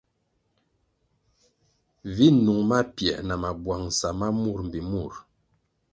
Vi nung mapiē na mabwangʼsa ma mur mbpi murʼ.